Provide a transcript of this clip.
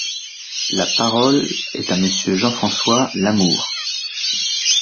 La parole est à Monsieur Jean-François Lamour.